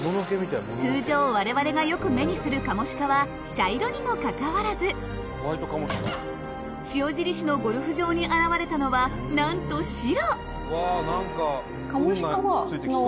通常我々がよく目にするカモシカは茶色にもかかわらず塩尻市のゴルフ場に現れたのはなんと白。